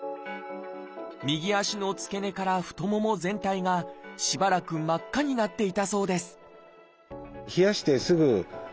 右足の付け根から太もも全体がしばらく真っ赤になっていたそうです